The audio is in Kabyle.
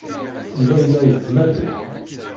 Yuba yella yettmerriḥ.